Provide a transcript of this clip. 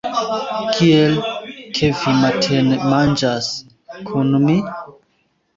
Kiel, ke vi matenmanĝas kun mi?